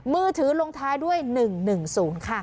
มือถือลงท้ายด้วย๑๑๐ค่ะ